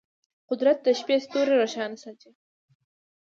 قدرت د شپې ستوري روښانه ساتي.